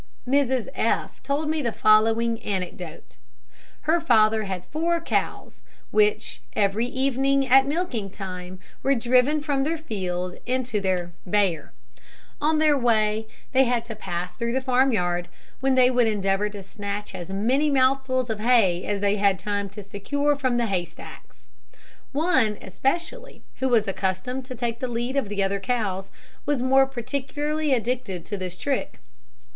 Mrs F told me the following anecdote: Her father had four cows, which every evening, at milking time, were driven from the field into their byre. On their way they had to pass through the farmyard, when they would endeavour to snatch as many mouthfuls of hay as they had time to secure from the hay stacks. One especially, who was accustomed to take the lead of the other cows, was more particularly addicted to this trick.